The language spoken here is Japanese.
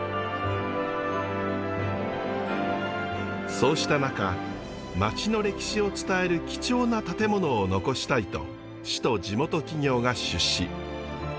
そうした中町の歴史を伝える貴重な建物を残したいと市と地元企業が出資。